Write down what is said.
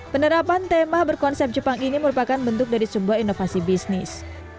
penerapan tema berkonsep jepang ini merupakan bentuk dari sebuah inovasi bisnis